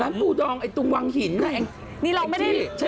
ร้านปูดองไอ้ตุงวังหินไอ้แก๊กจี้